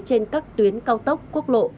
trên các tuyến cao tốc quốc lộ